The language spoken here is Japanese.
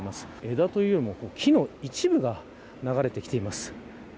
枝というよりも木の一部が流れてきています。